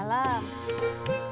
terima kasih mas